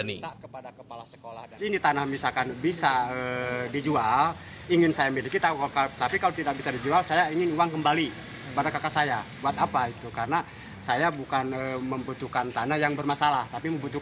siapa nggak tahu